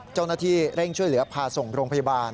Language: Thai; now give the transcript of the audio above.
เจ้าหน้าที่เร่งช่วยเหลือพาส่งโรงพยาบาล